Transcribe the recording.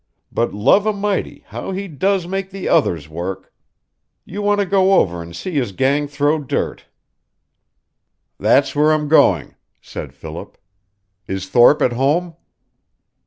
But love o' mighty, how he does make the OTHERS work. You want to go over and see his gang throw dirt." "That's where I'm going," said Philip. "Is Thorpe at home?"